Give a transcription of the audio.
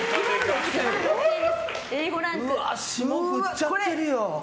うわ、霜降っちゃってるよ。